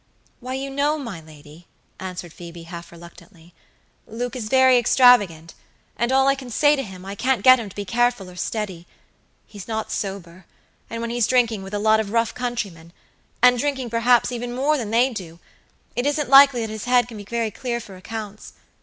"Why, you know, my lady," answered Phoebe, half reluctantly, "Luke is very extravagant; and all I can say to him, I can't get him to be careful or steady. He's not sober; and when he's drinking with a lot of rough countrymen, and drinking, perhaps even more than they do, it isn't likely that his head can be very clear for accounts.